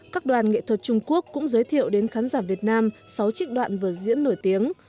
các đoàn nghệ thuật trung quốc cũng giới thiệu đến khán giả việt nam sáu trích đoạn vợ diễn nổi tiếng